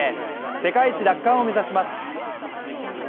世界一奪還を目指します。